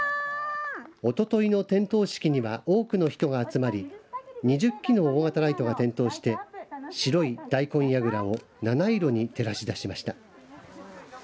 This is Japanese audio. おとといの点灯式には多くの人が集まり２０基の大型ライトが点灯して白い大根やぐらを七色に照らし出しました。